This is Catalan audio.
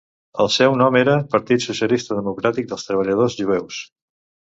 El seu nom era Partit Socialista Democràtic dels Treballadors Jueus.